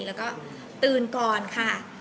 แล้วก็ตื่นก่อนค่ะ